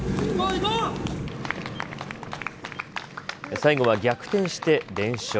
最後は逆転して連勝。